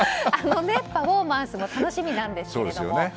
あのパフォーマンスも楽しみなんですけども。